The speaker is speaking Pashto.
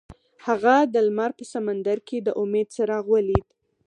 هغه د لمر په سمندر کې د امید څراغ ولید.